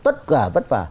tất cả vất vả